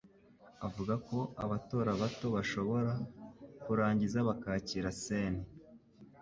avuga ko abatora bato bashobora kurangiza bakakira Sen